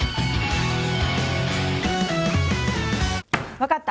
分かった！